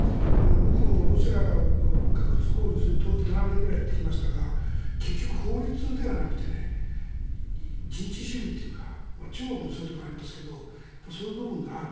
僕もロシアと学術交流をずっと７年ぐらいやってきましたが結局、法律ではなくて人治主義というか中国もそういうところがありますがそういう部分がある。